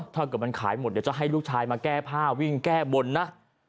ถ้าเกิดมันขายหมดเดี๋ยวจะให้ลูกชายมาแก้ผ้าวิ่งแก้บนนะ